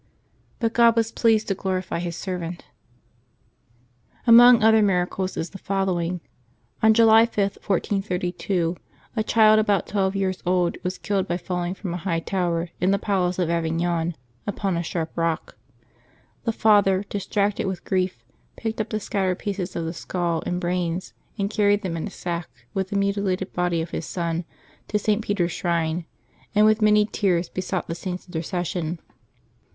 But God was pleased to glorify His servant. Among other miracles is the follow ing : On July 5, 1432, a child about twelve years old was killed by falling from a high tower, in the palace of Avi gnon, upoa a sharp rock. The father, distracted with grief, picked up the scattered pieces of the skull and brains, and carried them in a sack, with the mutilated body of his son, to St. Peter's shrine, and with many tears be sought the Saint's intercession.